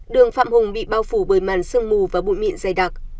đường phạm hùng bị bao phủ bởi màn sương mù và bụi mịn dày đặc